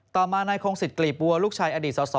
ต่อมาในโครงสิทธิ์กลีบวัวลูกชายอดีตสอ